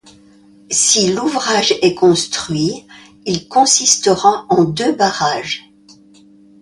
Si l'ouvrage est construit, il consistera en deux barrages.